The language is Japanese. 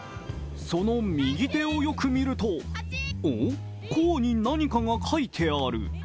その右手をよく見ると、甲に何かが書いてある。